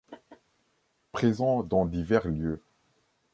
Présent dans divers lieux.